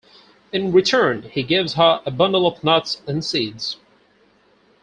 In return, he gives her a bundle of nuts and seeds.